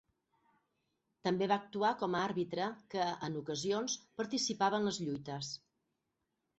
També va actuar com a àrbitre que, en ocasions, participava en les lluites.